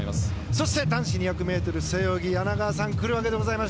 そして男子２００ｍ背泳ぎ柳川さんが来るわけでございます。